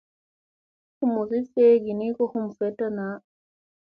Humusi feegii ni ko hum veɗta naa.